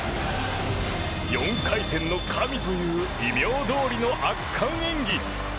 「４回転の神」という異名どおりの圧巻演技。